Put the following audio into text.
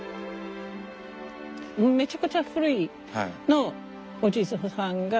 めちゃくちゃ古いお地蔵さんが。